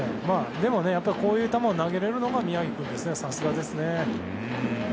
でも、こういう球を投げれるのが宮城君ですね。